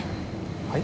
はい？